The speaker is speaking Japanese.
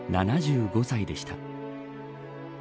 ７５歳でした。